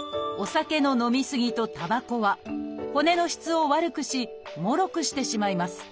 「お酒の飲み過ぎ」と「たばこ」は骨の質を悪くしもろくしてしまいます。